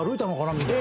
みたいな。